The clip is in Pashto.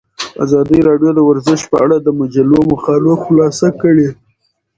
ازادي راډیو د ورزش په اړه د مجلو مقالو خلاصه کړې.